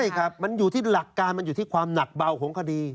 ใช่ครับมันอยู่ที่หลักการมันอยู่ที่ความหนักเบาของคดี